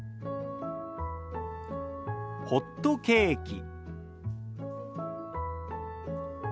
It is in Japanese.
「ホットケーキ」。